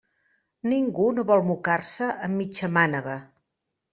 Ningú no vol mocar-se amb mitja mànega.